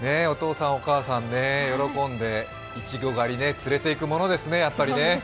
お父さん、お母さん、喜んで、いちご狩りね、連れて行くものですね、やっぱりね。